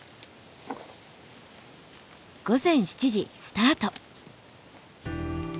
午前７時スタート。